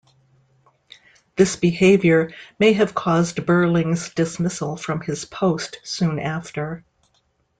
This behaviour may have caused Berlings' dismissal from his post soon after.